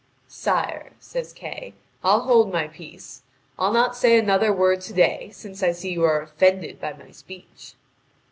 "Sire," says Kay, "I'll hold my peace. I'll not say another word to day, since I see you are offended by my speech."